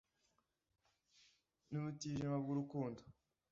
Ni ubutijima bw’urukundo,